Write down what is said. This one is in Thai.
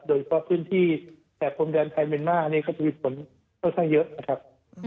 โดยเพราะพื้นที่แสดงพรมแดนไทยเมนม่าอันนี้ก็จะมีฝนเท่าไหร่เยอะนะครับ